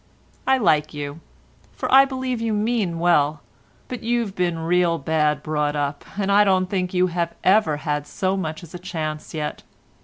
I like you, for I believe you mean well, but you've been real bad brought up, and I don't think you have ever had so much as a chance yet.